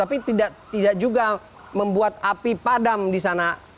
tapi tidak juga membuat api padam di sana